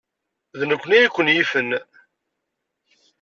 D nekkni ay ken-yifen.